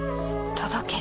届け。